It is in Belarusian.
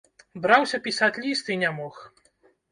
Браўся пісаць ліст і не мог.